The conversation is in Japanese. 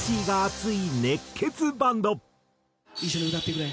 一緒に歌ってくれ。